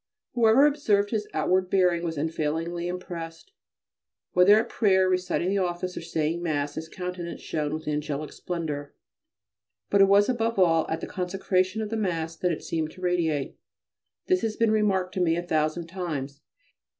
Whoever observed his outward bearing was unfailingly impressed. Whether at prayer, reciting the office, or saying Mass, his countenance shone with angelic splendour, but it was above all at the consecration of the Mass that it seemed to radiate. This has been remarked to me a thousand times.